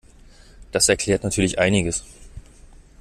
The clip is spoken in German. Das erklärt natürlich einiges.